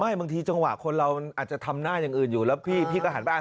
บางทีจังหวะคนเรามันอาจจะทำหน้าอย่างอื่นอยู่แล้วพี่ก็หันไปอ่าน